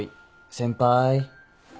先輩？